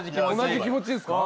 同じ気持ちですか？